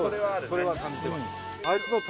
それは感じてます